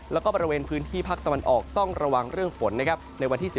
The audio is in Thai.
แล้วก็บริเวณพื้นที่ภาคตะวันออกต้องระวังเรื่องฝนนะครับในวันที่๑